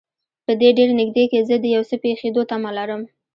په دې ډېر نږدې کې زه د یو څه پېښېدو تمه لرم.